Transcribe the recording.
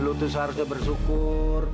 lu tuh seharusnya bersyukur